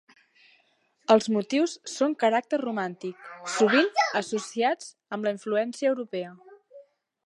Els motius són caràcter romàntic, sovint associats amb la influència europea.